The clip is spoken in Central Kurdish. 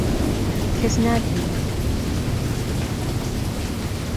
کەس ناتبینێت.